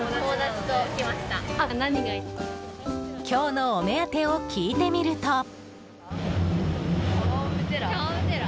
今日のお目当てを聞いてみると。